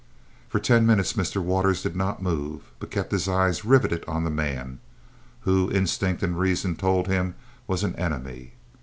For ten minutes Mr. Waters did not move, but kept his eyes riveted on the man, who, instinct and reason told him, was an enemy.